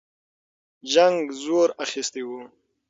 جنګ زور اخیستی وو.